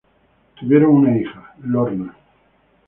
Tuvieron una hija, Lorna.